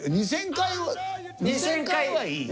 ２０００回は２０００回はいいよ。